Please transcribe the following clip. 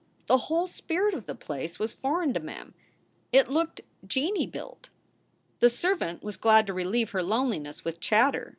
The whole spirit of the place was foreign to Mem. It looked genie built. The servant was glad to relieve her loneliness with chatter.